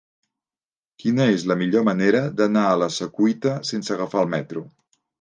Quina és la millor manera d'anar a la Secuita sense agafar el metro?